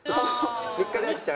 ３日で飽きちゃう？